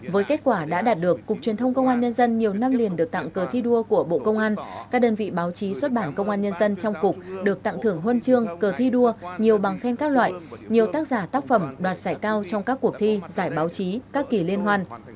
với kết quả đã đạt được cục truyền thông công an nhân dân nhiều năm liền được tặng cờ thi đua của bộ công an các đơn vị báo chí xuất bản công an nhân dân trong cục được tặng thưởng huân chương cờ thi đua nhiều bằng khen các loại nhiều tác giả tác phẩm đoạt giải cao trong các cuộc thi giải báo chí các kỳ liên hoàn